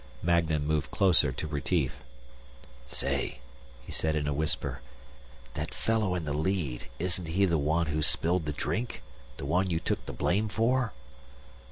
Magnan moved closer to Retief. "Say," he said in a whisper. "That fellow in the lead; isn't he the one who spilled the drink? The one you took the blame for?"